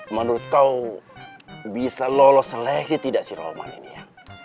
menurut kau bisa lolos seleksi tidak sih roman ini ya